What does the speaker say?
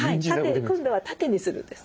今度は縦にするんです。